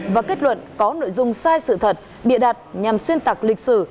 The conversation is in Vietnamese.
và kết luận có nội dung sai sự thật bịa đặt nhằm xuyên tạc lịch sử